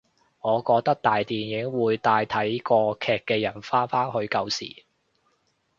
我覺得大電影會帶睇過劇嘅人返返去舊時